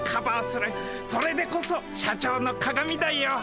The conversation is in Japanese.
それでこそ社長の鑑だよ。